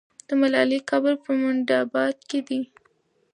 د ملالۍ قبر په منډآباد کې دی.